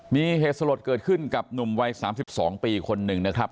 มีเหตุสลดเกิดขึ้นกับหนุ่มวัย๓๒ปีคนหนึ่งนะครับ